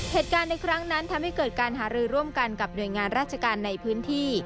เหตุการณ์ในครั้งนั้นทำให้เกิดการหารือร่วมกันกับหน่วยงานราชการในพื้นที่